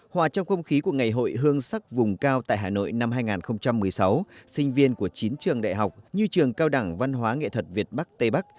hòa trong không khí của ngày hội hương sắc vùng cao tại hà nội năm hai nghìn một mươi sáu sinh viên của chín trường đại học như trường cao đẳng văn hóa nghệ thuật việt bắc tây bắc